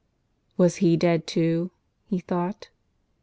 Was he dead too? he thought.